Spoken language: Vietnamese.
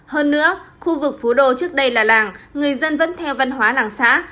hơn nữa khu vực phố đô trước đây là làng người dân vẫn theo văn hóa làng xã